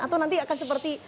atau nanti akan seperti